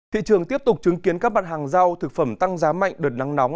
thị trường tiếp tục chứng kiến các bản hàng rau thực phẩm tăng giá mạnh đợt nắng nóng